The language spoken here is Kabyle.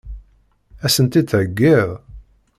Ad sen-tt-id-theggiḍ?